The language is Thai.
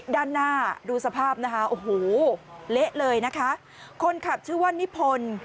ด้านหน้าดูสภาพนะคะโอ้โหเละเลยนะคะคนขับชื่อว่านิพนธ์